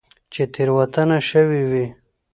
چې تيروتنه شوي وي